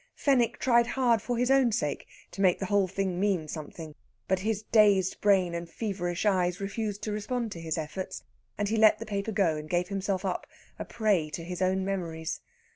Fenwick tried hard, for his own sake, to make the whole thing mean something, but his dazed brain and feverish eyes refused to respond to his efforts, and he let the paper go, and gave himself up, a prey to his own memories.